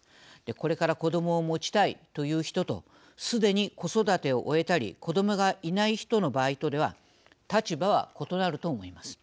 これから子どもを持ちたいという人とすでに子育てを終えたり子どもがいない人の場合とでは立場は異なると思います。